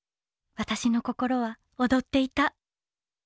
「私の心はおどっていた」。